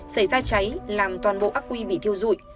xảy ra cháy làm toàn bộ ác quy bị thiêu dụi